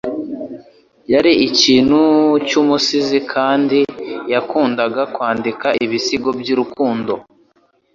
Yari ikintu cyumusizi kandi yakundaga kwandika ibisigo byurukundo.